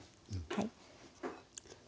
はい。